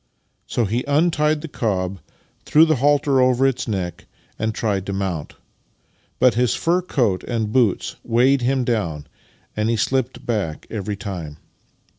/ So he untied the cob, threw the halter over its neck, •"^ and tried to mount, but his fur coat and boots weighed him down, and he slipped back every time.